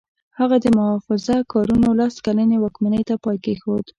هغه د محافظه کارانو لس کلنې واکمنۍ ته پای کېښود.